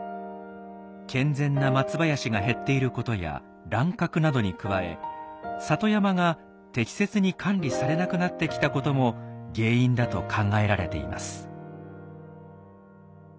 健全な松林が減っていることや乱獲などに加え里山が適切に管理されなくなってきた事も原因だと考えられています。